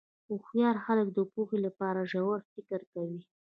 هوښیار خلک د پوهې لپاره ژور فکر کوي.